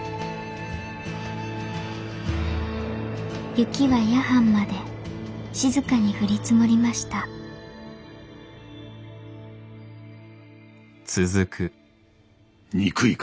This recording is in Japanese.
雪は夜半まで静かに降り積もりました憎いか？